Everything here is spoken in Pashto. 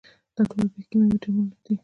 دا ټولې پیښې کیمیاوي تعاملونه دي.